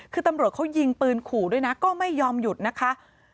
คือตำรวจเขายิงปืนขู่ด้วยนะก็ไม่ยอมหยุดนะคะ